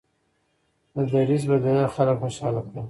د دریځ بدلېدل خلک خوشحاله کړل.